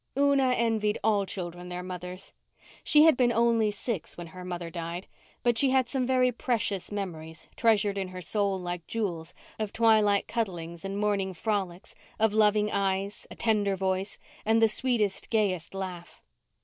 Una envied all children their mothers. She had been only six when her mother died, but she had some very precious memories, treasured in her soul like jewels, of twilight cuddlings and morning frolics, of loving eyes, a tender voice, and the sweetest, gayest laugh.